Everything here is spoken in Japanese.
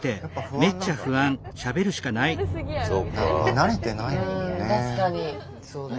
慣れてないもんね。